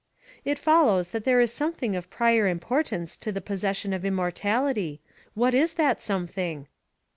"It follows that there is something of prior importance to the possession of immortality: what is that something?"